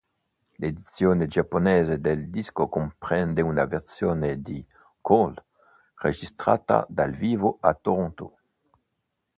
L'edizione giapponese del disco comprende una versione di "Cold" registrata dal vivo a Toronto.